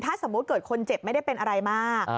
ถ้าสมมุติเกิดคนเจ็บไม่ได้เป็นอะไรมาก